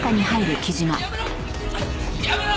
やめろ！